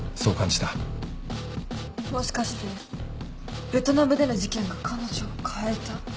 もしかしてベトナムでの事件が彼女を変えた？